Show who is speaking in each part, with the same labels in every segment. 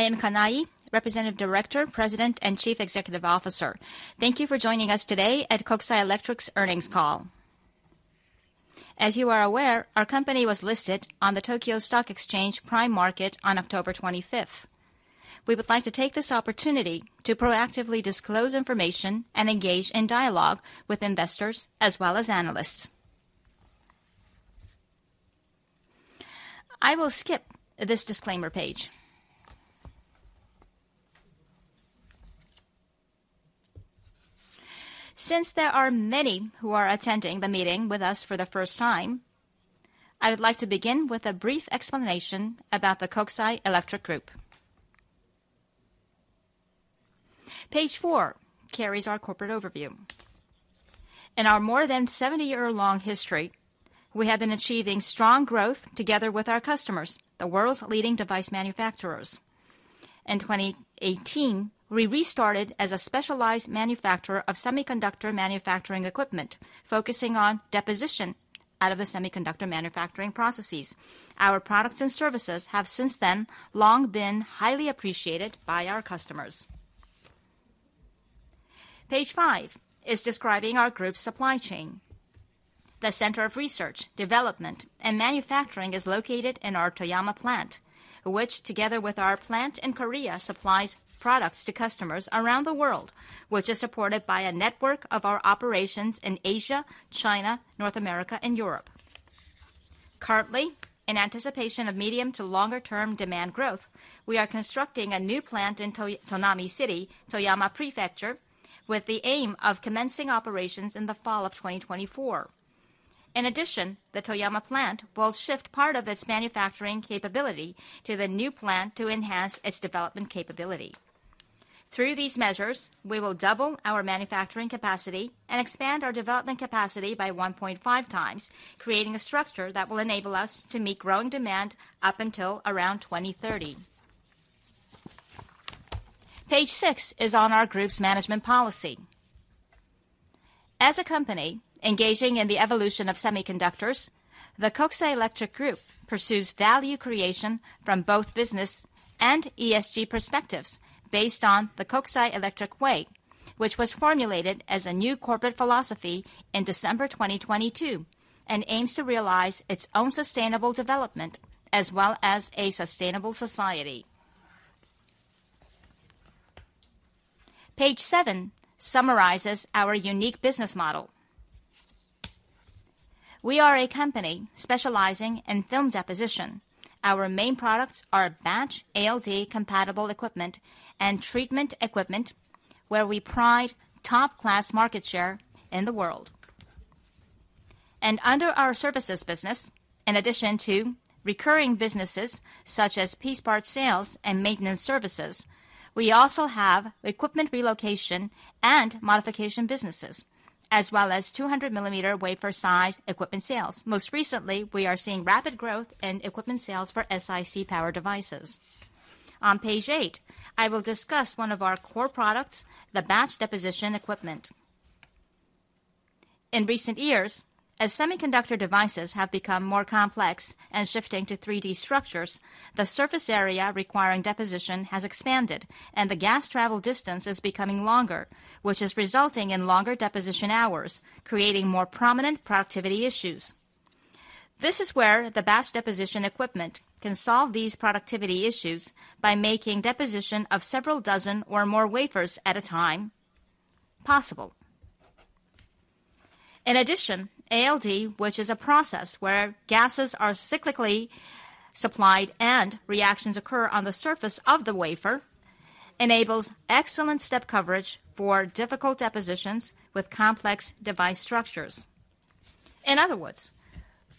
Speaker 1: I am Kanai, Representative Director, President, and Chief Executive Officer. Thank you for joining us today at Kokusai Electric's earnings call. As you are aware, our company was listed on the Tokyo Stock Exchange Prime Market on October 25. We would like to take this opportunity to proactively disclose information and engage in dialogue with investors as well as analysts. I will skip this disclaimer page. Since there are many who are attending the meeting with us for the first time, I would like to begin with a brief explanation about the Kokusai Electric Group. Page 4 carries our corporate overview. In our more than 70-year-long history, we have been achieving strong growth together with our customers, the world's leading device manufacturers. In 2018, we restarted as a specialized manufacturer of semiconductor manufacturing equipment, focusing on deposition out of the semiconductor manufacturing processes. Our products and services have since then long been highly appreciated by our customers. Page five is describing our group's supply chain. The center of research, development, and manufacturing is located in our Toyama plant, which, together with our plant in Korea, supplies products to customers around the world, which is supported by a network of our operations in Asia, China, North America, and Europe. Currently, in anticipation of medium to longer term demand growth, we are constructing a new plant in Tonami City, Toyama Prefecture, with the aim of commencing operations in the fall of 2024. In addition, the Toyama plant will shift part of its manufacturing capability to the new plant to enhance its development capability. Through these measures, we will double our manufacturing capacity and expand our development capacity by 1.5 times, creating a structure that will enable us to meet growing demand up until around 2030. Page 6 is on our group's management policy. As a company engaging in the evolution of semiconductors, the Kokusai Electric Group pursues value creation from both business and ESG perspectives based on the Kokusai Electric Way, which was formulated as a new corporate philosophy in December 2022, and aims to realize its own sustainable development as well as a sustainable society. Page 7 summarizes our unique business model. We are a company specializing in film deposition. Our main products are batch ALD-compatible equipment and treatment equipment, where we pride top-class market share in the world. Under our services business, in addition to recurring businesses such as piece parts sales and maintenance services, we also have equipment relocation and modification businesses, as well as 200-millimeter wafer size equipment sales. Most recently, we are seeing rapid growth in equipment sales for SiC power devices. On page 8, I will discuss one of our core products, the batch deposition equipment. In recent years, as semiconductor devices have become more complex and shifting to 3D structures, the surface area requiring deposition has expanded, and the gas travel distance is becoming longer, which is resulting in longer deposition hours, creating more prominent productivity issues. This is where the batch deposition equipment can solve these productivity issues by making deposition of several dozen or more wafers at a time possible. In addition, ALD, which is a process where gases are cyclically supplied and reactions occur on the surface of the wafer, enables excellent step coverage for difficult depositions with complex device structures. In other words,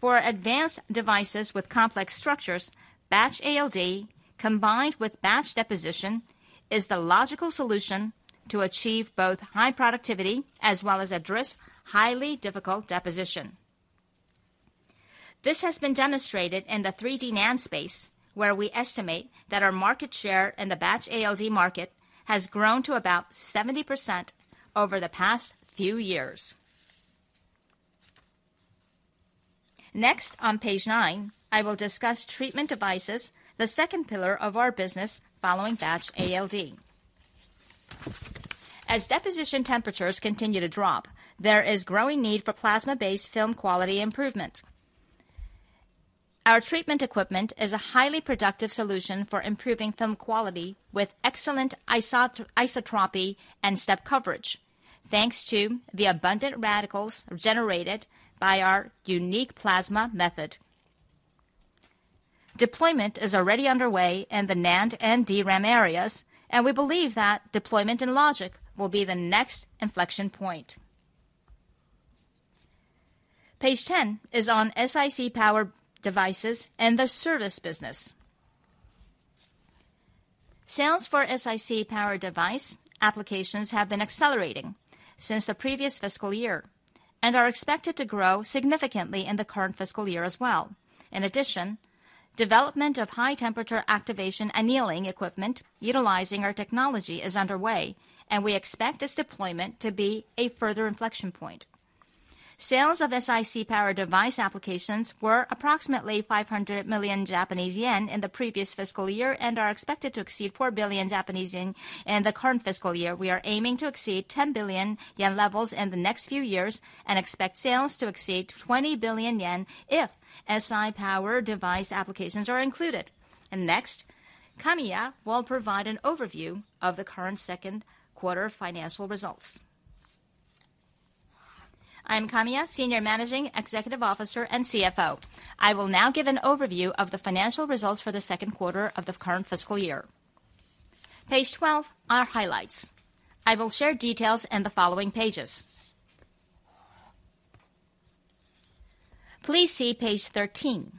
Speaker 1: for advanced devices with complex structures, batch ALD, combined with batch deposition, is the logical solution to achieve both high productivity as well as address highly difficult deposition. This has been demonstrated in the 3D NAND space, where we estimate that our market share in the batch ALD market has grown to about 70% over the past few years. Next, on page 9, I will discuss treatment devices, the second pillar of our business following batch ALD. As deposition temperatures continue to drop, there is growing need for plasma-based film quality improvement. Our treatment equipment is a highly productive solution for improving film quality with excellent isotropy and step coverage, thanks to the abundant radicals generated by our unique plasma method. Deployment is already underway in the NAND and DRAM areas, and we believe that deployment in logic will be the next inflection point. Page ten is on SiC power devices and the service business. Sales for SiC power device applications have been accelerating since the previous fiscal year and are expected to grow significantly in the current fiscal year as well. In addition, development of high temperature activation annealing equipment utilizing our technology is underway, and we expect this deployment to be a further inflection point. Sales of SiC power device applications were approximately 500 million Japanese yen in the previous fiscal year and are expected to exceed 4 billion Japanese yen in the current fiscal year. We are aiming to exceed 10 billion yen levels in the next few years and expect sales to exceed 20 billion yen if Si power device applications are included. Next, Kamiya will provide an overview of the current second quarter financial results. I'm Kamiya, Senior Managing Executive Officer and CFO. I will now give an overview of the financial results for the second quarter of the current fiscal year. Page 12 are highlights. I will share details in the following pages. Please see page 13.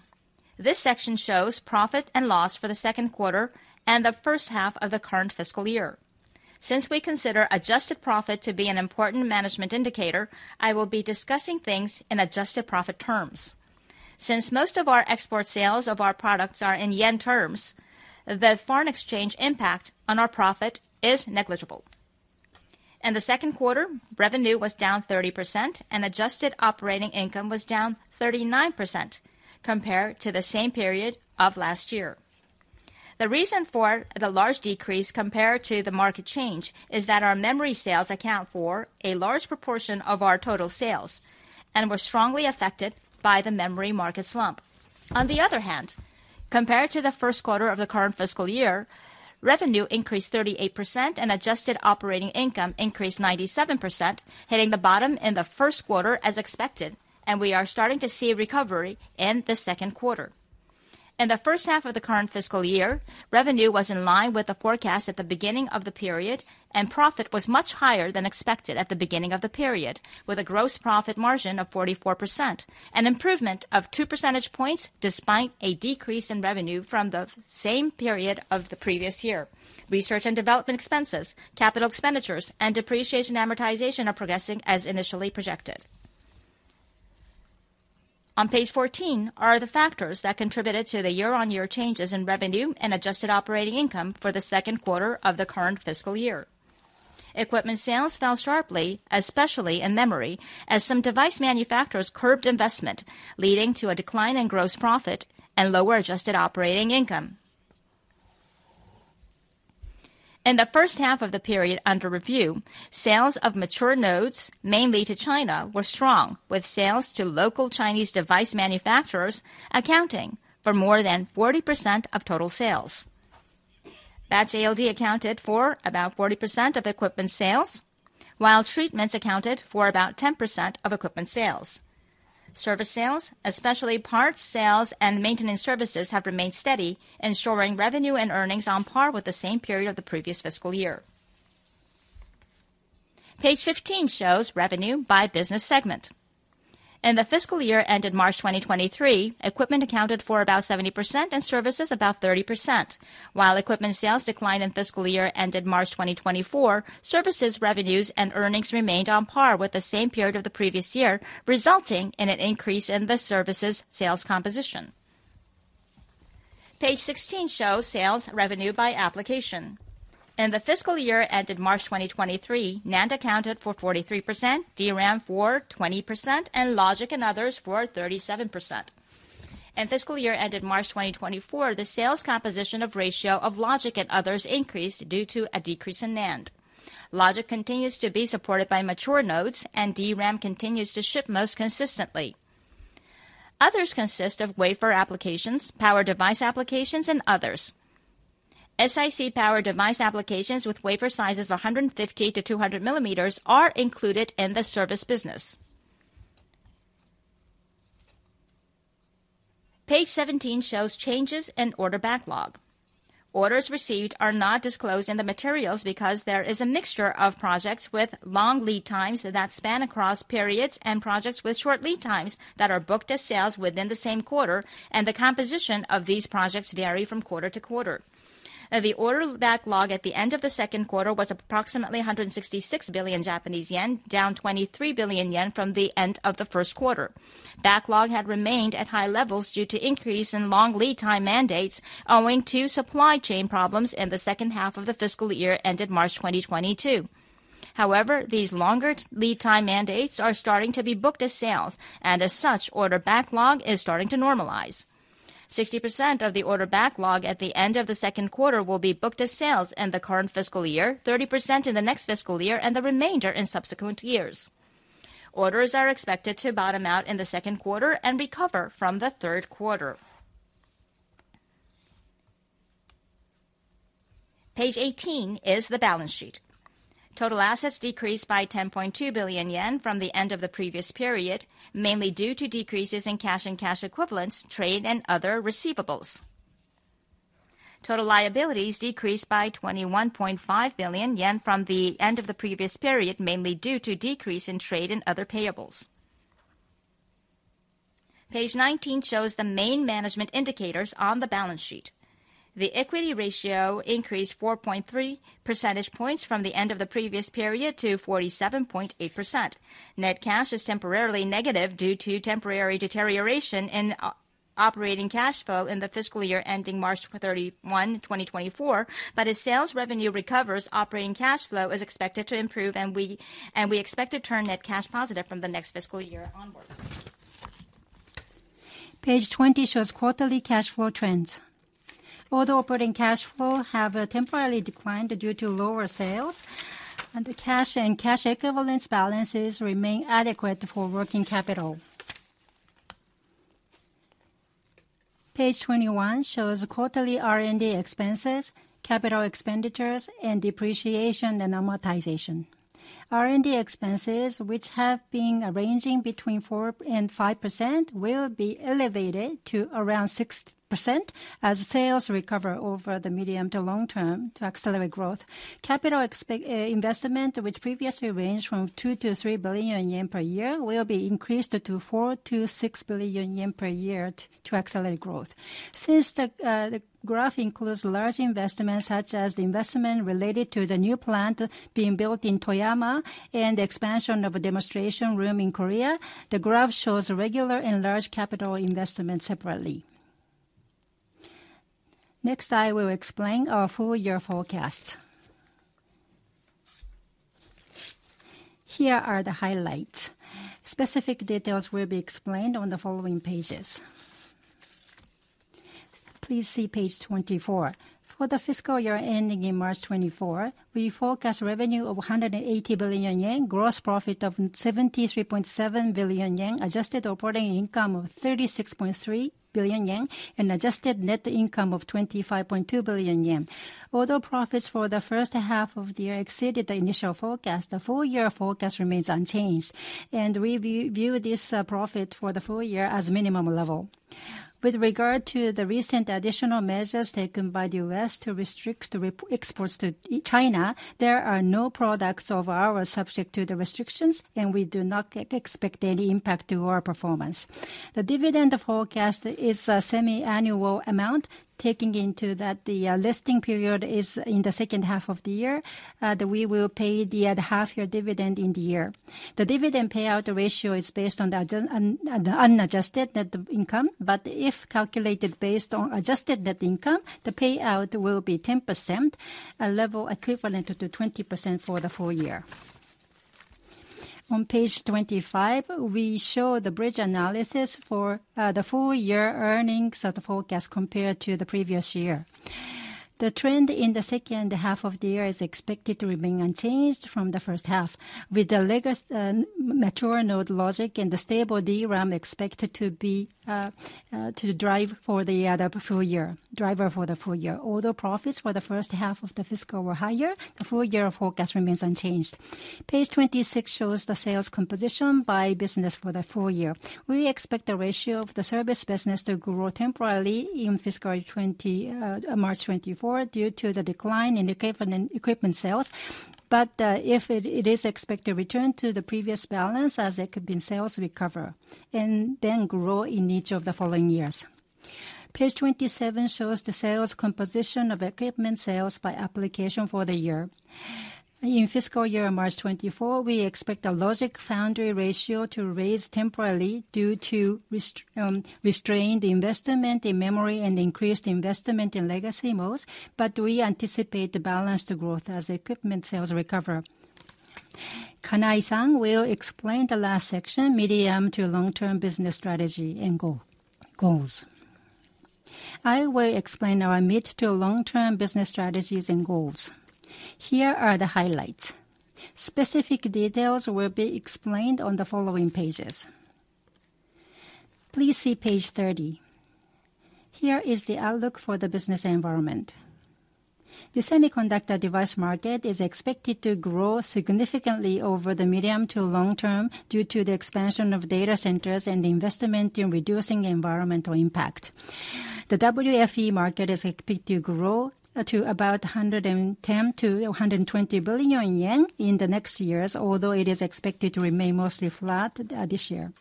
Speaker 1: This section shows profit and loss for the second quarter and the first half of the current fiscal year. Since we consider adjusted profit to be an important management indicator, I will be discussing things in adjusted profit terms. Since most of our export sales of our products are in yen terms, the foreign exchange impact on our profit is negligible. In the second quarter, revenue was down 30% and adjusted operating income was down 39% compared to the same period of last year. The reason for the large decrease compared to the market change is that our memory sales account for a large proportion of our total sales and were strongly affected by the memory market slump. On the other hand, compared to the first quarter of the current fiscal year, revenue increased 38% and adjusted operating income increased 97%, hitting the bottom in the first quarter as expected, and we are starting to see a recovery in the second quarter. In the first half of the current fiscal year, revenue was in line with the forecast at the beginning of the period, and profit was much higher than expected at the beginning of the period, with a gross profit margin of 44%, an improvement of 2 percentage points despite a decrease in revenue from the same period of the previous year. Research and development expenses, capital expenditures, and depreciation amortization are progressing as initially projected. On page 14 are the factors that contributed to the year-on-year changes in revenue and adjusted operating income for the second quarter of the current fiscal year. Equipment sales fell sharply, especially in memory, as some device manufacturers curbed investment, leading to a decline in gross profit and lower adjusted operating income. In the first half of the period under review, sales of mature nodes, mainly to China, were strong, with sales to local Chinese device manufacturers accounting for more than 40% of total sales. Batch ALD accounted for about 40% of equipment sales, while treatments accounted for about 10% of equipment sales. Service sales, especially parts sales and maintenance services, have remained steady, ensuring revenue and earnings on par with the same period of the previous fiscal year. Page 15 shows revenue by business segment. In the fiscal year ended March 2023, equipment accounted for about 70% and services about 30%. While equipment sales declined in fiscal year ended March 2024, services revenues and earnings remained on par with the same period of the previous year, resulting in an increase in the services sales composition. Page 16 shows sales revenue by application. In the fiscal year ended March 2023, NAND accounted for 43%, DRAM for 20%, and Logic and others for 37%. In fiscal year ended March 2024, the sales composition of ratio of Logic and others increased due to a decrease in NAND. Logic continues to be supported by mature nodes, and DRAM continues to ship most consistently. Others consist of wafer applications, power device applications, and others. SiC power device applications with wafer sizes of 150-200 millimeters are included in the service business. Page 17 shows changes in order backlog. Orders received are not disclosed in the materials because there is a mixture of projects with long lead times that span across periods, and projects with short lead times that are booked as sales within the same quarter, and the composition of these projects vary from quarter to quarter. The order backlog at the end of the second quarter was approximately 166 billion Japanese yen, down 23 billion yen from the end of the first quarter. Backlog had remained at high levels due to increase in long lead time mandates, owing to supply chain problems in the second half of the fiscal year ended March 2022. However, these longer lead time mandates are starting to be booked as sales, and as such, order backlog is starting to normalize. 60% of the order backlog at the end of the second quarter will be booked as sales in the current fiscal year, 30% in the next fiscal year, and the remainder in subsequent years. Orders are expected to bottom out in the second quarter and recover from the third quarter. Page 18 is the balance sheet. Total assets decreased by 10.2 billion yen from the end of the previous period, mainly due to decreases in cash and cash equivalents, trade, and other receivables. Total liabilities decreased by 21.5 billion yen from the end of the previous period, mainly due to decrease in trade and other payables. Page 19 shows the main management indicators on the balance sheet. The equity ratio increased 4.3 percentage points from the end of the previous period to 47.8%. Net cash is temporarily negative due to temporary deterioration in,... operating cash flow in the fiscal year ending March 31, 2024. But as sales revenue recovers, operating cash flow is expected to improve, and we, and we expect to turn net cash positive from the next fiscal year onwards. Page 20 shows quarterly cash flow trends. Although operating cash flow have temporarily declined due to lower sales, and the cash and cash equivalents balances remain adequate for working capital. Page 21 shows quarterly R&D expenses, capital expenditures, and depreciation and amortization. R&D expenses, which have been ranging between 4%-5%, will be elevated to around 6% as sales recover over the medium to long term to accelerate growth. Capital investment, which previously ranged from 2 billion-3 billion yen per year, will be increased to 4 billion-6 billion yen per year to accelerate growth.
Speaker 2: Since the graph includes large investments such as the investment related to the new plant being built in Toyama and the expansion of a demonstration room in Korea, the graph shows regular and large capital investments separately. Next, I will explain our full year forecast. Here are the highlights. Specific details will be explained on the following pages. Please see page 24. For the fiscal year ending in March 2024, we forecast revenue of 180 billion yen, gross profit of 73.7 billion yen, adjusted operating income of 36.3 billion yen, and adjusted net income of 25.2 billion yen. Although profits for the first half of the year exceeded the initial forecast, the full year forecast remains unchanged, and we view this profit for the full year as minimum level. With regard to the recent additional measures taken by the U.S. to restrict re-exports to China, there are no products of ours subject to the restrictions, and we do not expect any impact to our performance. The dividend forecast is a semi-annual amount, taking into that the listing period is in the second half of the year, that we will pay the half-year dividend in the year. The dividend payout ratio is based on the unadjusted net income, but if calculated based on adjusted net income, the payout will be 10%, a level equivalent to 20% for the full year. On page 25, we show the bridge analysis for the full year earnings of the forecast compared to the previous year. The trend in the second half of the year is expected to remain unchanged from the first half, with the legacy, mature node logic and the stable DRAM expected to be, to drive for the full year, driver for the full year. Although profits for the first half of the fiscal were higher, the full year forecast remains unchanged. Page 26 shows the sales composition by business for the full year. We expect the ratio of the service business to grow temporarily in fiscal 2024, March 2024, due to the decline in equipment sales. But it is expected to return to the previous balance as equipment sales recover, and then grow in each of the following years. Page 27 shows the sales composition of equipment sales by application for the year. In fiscal year March 2024, we expect the logic foundry ratio to rise temporarily due to restrained investment in memory and increased investment in legacy nodes, but we anticipate the balanced growth as equipment sales recover. Kanai-san will explain the last section, medium to long-term business strategy and goal, goals. I will explain our mid to long-term business strategies and goals. Here are the highlights. Specific details will be explained on the following pages. Please see page 30. Here is the outlook for the business environment. The semiconductor device market is expected to grow significantly over the medium to long term, due to the expansion of data centers and investment in reducing environmental impact. The WFE market is expected to grow to about 110 billion-120 billion yen in the next years, although it is expected to remain mostly flat this year.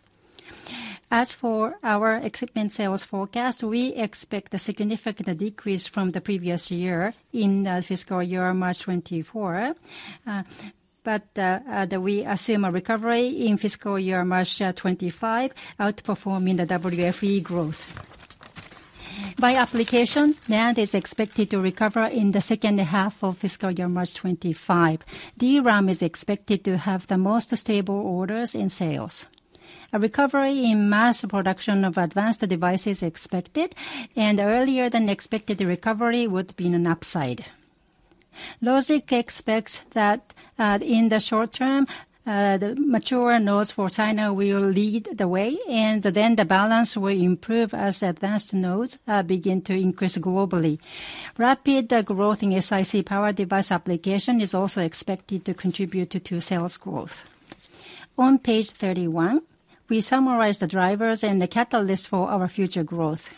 Speaker 2: As for our equipment sales forecast, we expect a significant decrease from the previous year in fiscal year March 2024. But we assume a recovery in fiscal year March 2025, outperforming the WFE growth. By application, NAND is expected to recover in the second half of fiscal year March 2025. DRAM is expected to have the most stable orders in sales. A recovery in mass production of advanced devices expected, and earlier than expected recovery would be an upside. Logic expects that, in the short term, the mature nodes for China will lead the way, and then the balance will improve as advanced nodes begin to increase globally. Rapid growth in SiC power device application is also expected to contribute to sales growth. On page 31, we summarize the drivers and the catalysts for our future growth.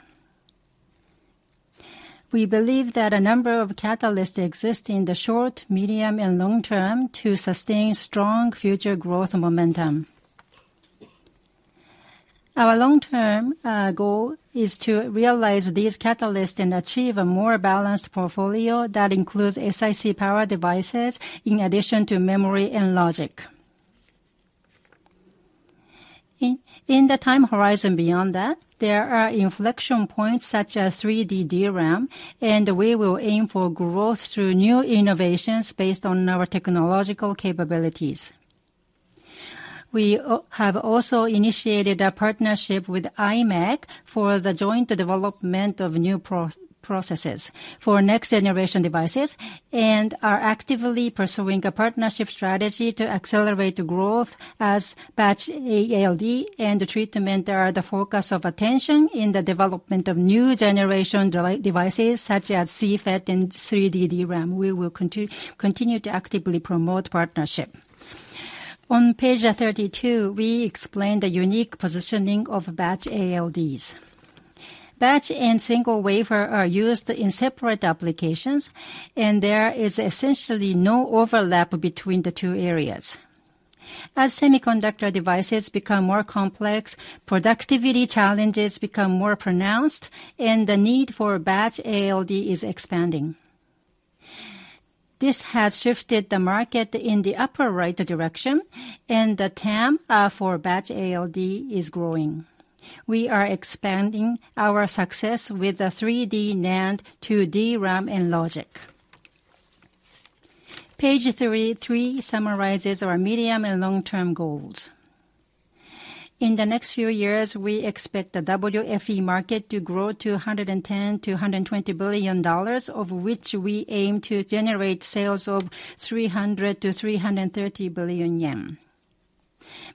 Speaker 2: We believe that a number of catalysts exist in the short, medium, and long term to sustain strong future growth momentum. Our long-term goal is to realize these catalysts and achieve a more balanced portfolio that includes SiC power devices, in addition to memory and logic. In the time horizon beyond that, there are inflection points such as 3D DRAM, and we will aim for growth through new innovations based on our technological capabilities. We have also initiated a partnership with imec for the joint development of new processes for next-generation devices, and are actively pursuing a partnership strategy to accelerate the growth as batch ALD and treatment are the focus of attention in the development of new generation devices, such as CFET and 3D DRAM. We will continue to actively promote partnership. On page 32, we explain the unique positioning of batch ALDs. Batch and single wafer are used in separate applications, and there is essentially no overlap between the two areas. As semiconductor devices become more complex, productivity challenges become more pronounced, and the need for batch ALD is expanding. This has shifted the market in the upper right direction, and the TAM for batch ALD is growing. We are expanding our success with the 3D NAND, 2D DRAM, and logic. Page 33 summarizes our medium and long-term goals. In the next few years, we expect the WFE market to grow to $110 billion-$120 billion, of which we aim to generate sales of 300 billion-330 billion yen.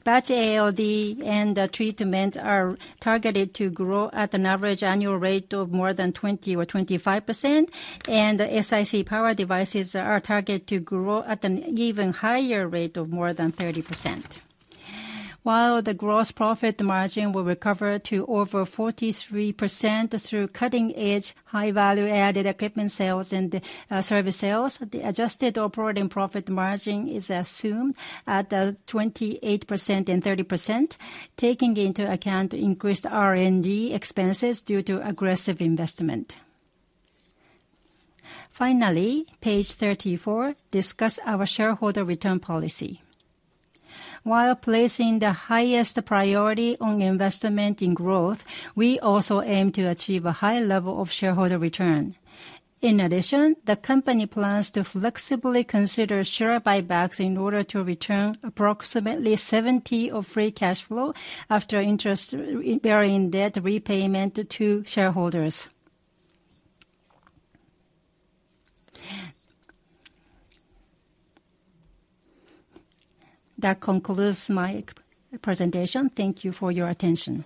Speaker 2: Batch ALD and treatment are targeted to grow at an average annual rate of more than 20 or 25%, and SiC power devices are targeted to grow at an even higher rate of more than 30%. While the gross profit margin will recover to over 43% through cutting-edge, high-value added equipment sales and service sales, the adjusted operating profit margin is assumed at 28% and 30%, taking into account increased R&D expenses due to aggressive investment. Finally, page 34 discuss our shareholder return policy. While placing the highest priority on investment in growth, we also aim to achieve a high level of shareholder return. In addition, the company plans to flexibly consider share buybacks in order to return approximately 70% of free cash flow after interest-bearing debt repayment to shareholders. That concludes my presentation. Thank you for your attention.